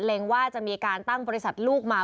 ว่าจะมีการตั้งบริษัทลูกมา